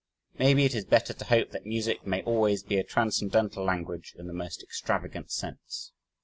Maybe it is better to hope that music may always be a transcendental language in the most extravagant sense.